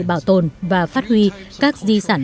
bảo tồn và phát huy các di sản